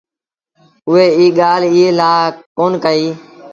اُئي ايٚ ڳآل ايٚئي لآ ڪون ڪئيٚ